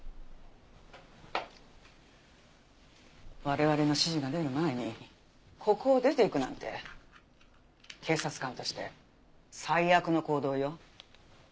我々の指示が出る前にここを出て行くなんて警察官として最悪の行動よ。